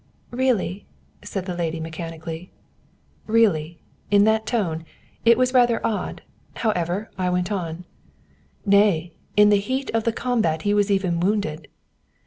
"Really?" said the lady mechanically. ("Really?" In that tone? It was rather odd. However, I went on.) "Nay, in the heat of the combat he was even wounded."